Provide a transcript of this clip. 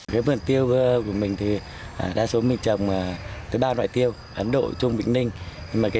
cái vườn tiêu của mình thì đa số mình trồng tới ba loại tiêu ấn độ trung vĩnh ninh mà cái